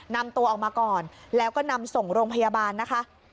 นำตัวออกมาก่อนแล้วก็นำส่งโรงพยาบาลนะคะ